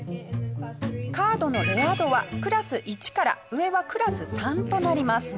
カードのレア度はクラス１から上はクラス３となります。